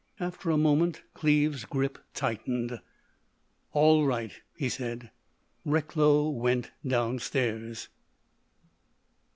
After a moment Cleves's grip tightened. "All right," he said. Recklow went downstairs.